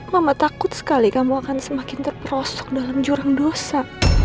mama takut sekali kamu akan semakin terperosok dalam jurang dosa